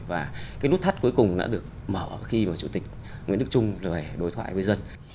và cái nút thắt cuối cùng đã được mở khi chủ tịch nguyễn đức trung đối thoại với dân